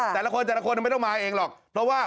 แต่ละคนแต่ละคนไม่ต้องมาเองหรอกเพราะว่า